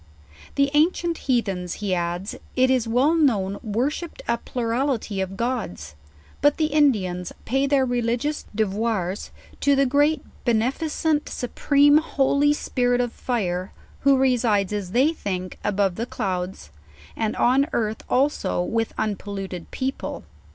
The ancient Heathens, he adds, it is well known worshipped a plurality of Gods, but the Indi ans pay their religious devoirs to the great beneficient su preme holy Spirit of Fire, who resides, as they think, above the clouds, and on earth also with unpolluted people.